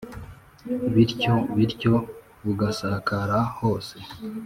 bityo bityo bugasakara hose.